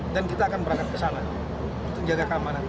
dan kita akan berangkat ke sana untuk menjaga keamanan